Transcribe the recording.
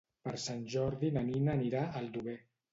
Per Sant Jordi na Nina anirà a Aldover.